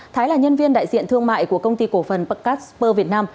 thái là nhân viên đại diện thương mại của công ty cổ phần bacat super việt nam